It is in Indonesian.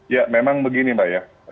ya memang begini mbak ya